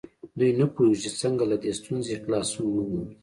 دوی نه پوهېږي چې څنګه له دې ستونزې خلاصون ومومي.